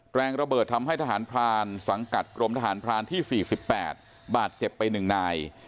แรงระเบิดทำให้ทหารพรานสังกัดกรมทหารพรานที่๔๘บาดเจ็บไป๑นาย